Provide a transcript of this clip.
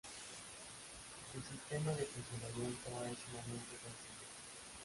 Su sistema de funcionamiento es sumamente sencillo.